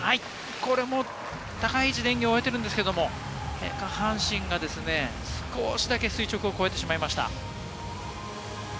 これも高い位置で演技を終えているんですけれども、下半身が少しだけ垂直を越えてしまいました。